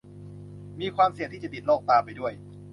มีความเสี่ยงที่จะติดโรคตามไปด้วย